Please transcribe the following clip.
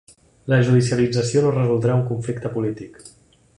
La judicialització no resoldrà un conflicte polític.